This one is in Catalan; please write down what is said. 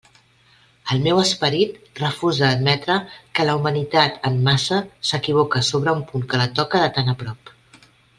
El meu esperit refusa admetre que la humanitat en massa s'equivoque sobre un punt que la toca de tan a prop.